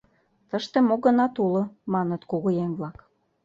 Тыште мо-гынат уло, — маныт кугыеҥ-влак.